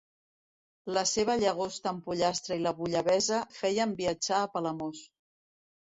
La seva llagosta amb pollastre i la bullabessa feien viatjar a Palamós.